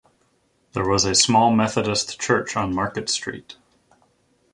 There was a small Methodist church on Market Street.